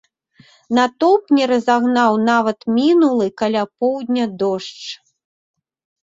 Натоўп не разагнаў нават мінулы каля поўдня дождж.